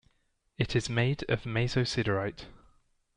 It is made of mesosiderite.